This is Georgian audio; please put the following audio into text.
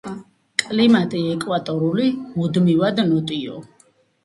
კლიმატი ეკვატორული, მუდმივად ნოტიო.